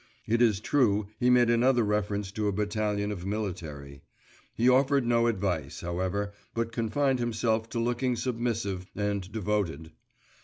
It is true, he made another reference to a battalion of military; he offered no advice, however, but confined himself to looking submissive and devoted.